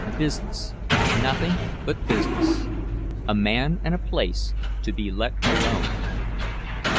Business, nothing but business. A man and a place to be let alone.